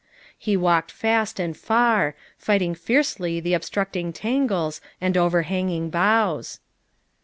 He walked fast and far, fighting fiercely the ob structing tangles and overhanging boughs.